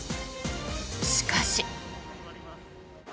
しかし。